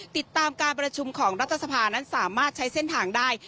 ติดตามการประชุมของรัฐสภานั้นสามารถใช้เส้นทางได้